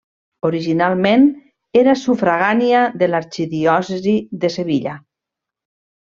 Originalment era sufragània de l'arxidiòcesi de Sevilla.